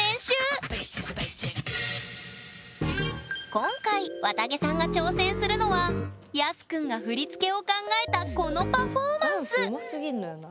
今回わたげさんが挑戦するのはＹＡＳＵくんが振り付けを考えたこのパフォーマンスダンスうますぎんのよな。